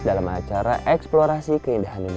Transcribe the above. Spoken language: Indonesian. dalam acara eksplorasi keindahan ini